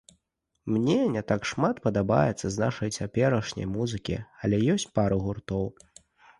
Мне не так шмат падабаецца з нашай цяперашняй музыкі, але ёсць пару гуртоў.